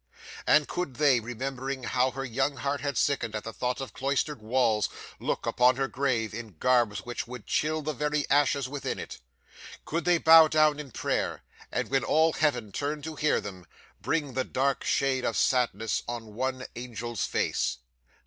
'And could they, remembering how her young heart had sickened at the thought of cloistered walls, look upon her grave, in garbs which would chill the very ashes within it? Could they bow down in prayer, and when all Heaven turned to hear them, bring the dark shade of sadness on one angel's face?